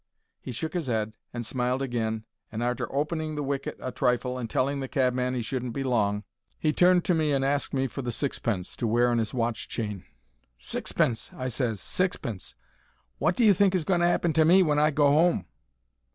He shook his 'ead and smiled agin, and, arter opening the wicket a trifle and telling the cabman he shouldn't be long, he turned to me and asked me for the sixpence, to wear on his watch chain. "Sixpence!" I ses. "SIXPENCE! Wot do you think is going to 'appen to me when I go 'ome?"